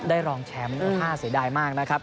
ได้รองแชมป์มันก็ถ้าเสียดายมากนะครับ